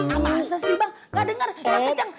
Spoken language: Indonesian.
apa asas sih bang nggak denger nggak kenceng